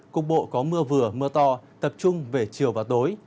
cục bộ có mưa vừa mưa to tập trung về chiều và tối